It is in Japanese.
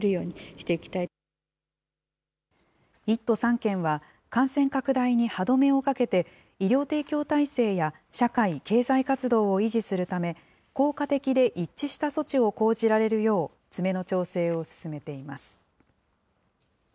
１都３県は、感染拡大に歯止めをかけて、医療提供体制や社会経済活動を維持するため、効果的で一致した措置を講じられるよう、詰めの調整を進めています。